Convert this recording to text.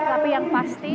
tapi yang pasti